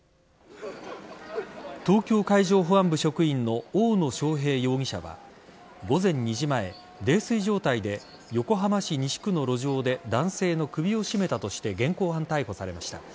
東京海上保安部職員の大野将平容疑者は午前２時前泥酔状態で横浜市西区の路上で男性の首を絞めたとして現行犯逮捕されました。